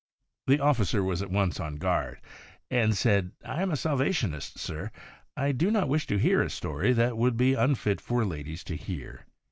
The Officer was at once on guard, and said, ' I am a Salvationist, sir. I do not wish to hear a story that w'ould be unfit for ladies to hear.